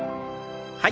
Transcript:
はい。